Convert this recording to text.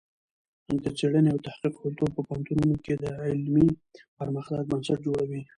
د څېړنې او تحقیق کلتور په پوهنتونونو کې د علمي پرمختګ بنسټ جوړوي.